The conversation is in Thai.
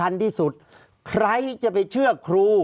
ภารกิจสรรค์ภารกิจสรรค์